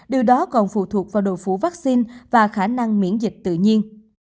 điều đó còn phụ thuộc vào độ phủ vaccine và khả năng miễn dịch tự nhiên